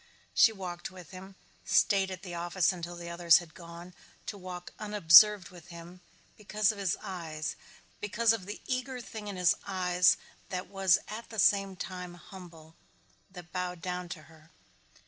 She walked with him, stayed at the office until the others had gone to walk unobserved with him, because of his eyes, because of the eager thing in his eyes that was at the same time humble, that bowed down to her.